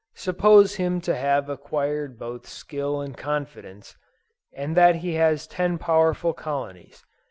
Suppose him to have acquired both skill and confidence, and that he has ten powerful colonies.